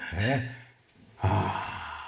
ああ。